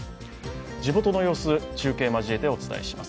地元の様子、中継を交えてお伝えします。